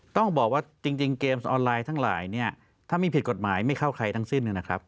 ต้องบอกว่าจริงเกมส์ออนไลน์ทั้งหลายเนี่ยถ้ามีผิดกฎหมายไม่เข้าใครทั้งสิ้นนะครับ